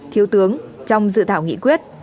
thiếu tướng trong dự thảo nghị quyết